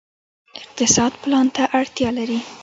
اقتصاد پلان ته اړتیا لري